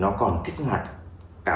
nó còn kích hoạt cả một cái